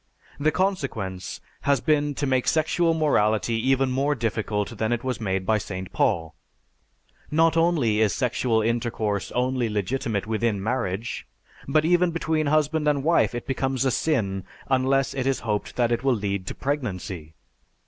The consequence has been to make sexual morality even more difficult than it was made by St. Paul. Not only is sexual intercourse only legitimate within marriage, but even between husband and wife it becomes a sin unless it is hoped that it will lead to pregnancy.